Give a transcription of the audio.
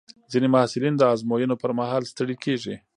ځینې محصلین د ازموینو پر مهال ستړي کېږي.